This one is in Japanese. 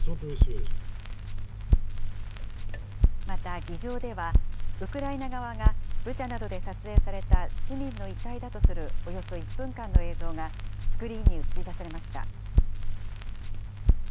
また議場では、ウクライナ側が、ブチャなどで撮影された市民の遺体だとするおよそ１分間の映像が、スクリーンに映し出されました。